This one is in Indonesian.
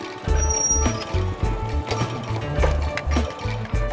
ngurus retribusi dan parkiran